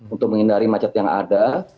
untuk menghindari macet yang ada